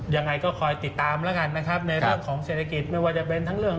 ยังไงก็คอยติดตามแล้วกันนะครับในเรื่องของเศรษฐกิจไม่ว่าจะเป็นทั้งเรื่อง